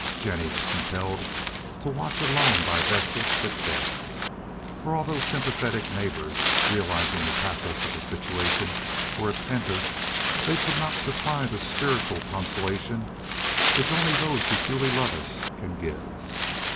Jennie was compelled to watch alone by Vesta's sick bed, for although sympathetic neighbors, realizing the pathos of the situation were attentive, they could not supply the spiritual consolation which only those who truly love us can give.